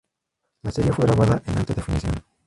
La serie fue grabada en alta definición.